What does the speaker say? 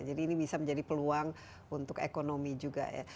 jadi ini bisa menjadi peluang untuk ekonomi juga ya